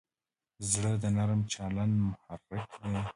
زړه د نرم چلند محرک دی.